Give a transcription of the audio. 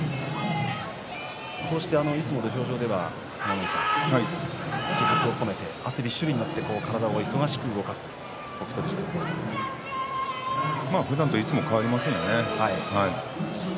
こうしていつも土俵上では気迫を込めて汗びっしょりになって体を忙しく動かすふだんと変わりませんよね。